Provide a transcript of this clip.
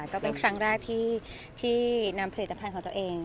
ก็เป็นครั้งแรกที่นำผลิตภัณฑ์ของตัวเอง